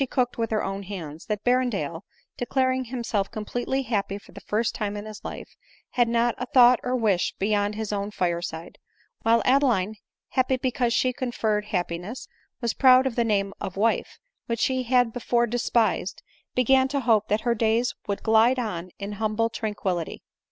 215 cooked with her own hands, that Berrendale, declaring himself completely happy for the first time in his life, had not a thought or a wish beyond his own fire side ; while Adeline, happy because she conferred happiness, and proud of the name of wife, which she had before de spised, began to hope that her days would glide on in humble tranquillity.